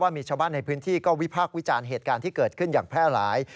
มีชาวบ้านในพื้นที่ก็วิพากษ์วิจารณ์เหตุการณ์ที่เกิดขึ้นอย่างแพร่หลาย